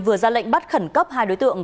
vừa ra lệnh bắt khẩn cấp hai đối tượng